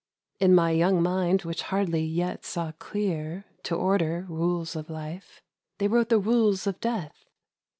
In my young mind which hardly yet saw clear To order rules of life, They wrote the rules of death.